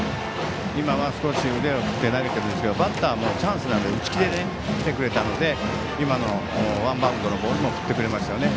今は腕を振って投げているんですがバッターもチャンスなので打ち気で来てくれたので今のワンバウンドのボールも振ってくれましたね。